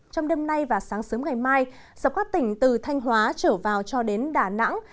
trong đêm nay và sáng sớm ngày mai dọc các tỉnh từ thanh hóa trở vào cho đến đà nẵng